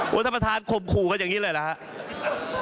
วัฒนาประธานคลมขู่กันอย่างนี้เดี๋ยวนะครับ